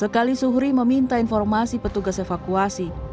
sekali suhri meminta informasi petugas evakuasi